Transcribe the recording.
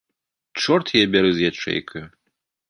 Чорт яе бяры з ячэйкаю.